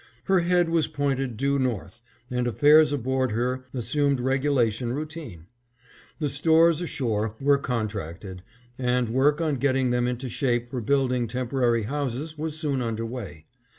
Her head was pointed due north, and affairs aboard her assumed regulation routine. The stores ashore were contracted, and work on getting them into shape for building temporary houses was soon under way.